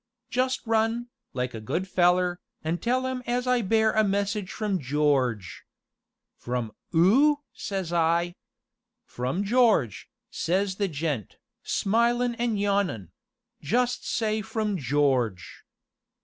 'Just run, like a good feller, an' tell 'im as I bear a message from George!' 'From 'oo?' says I. 'From George,' says the gent, smilin' an' yawnin' 'just say from George.'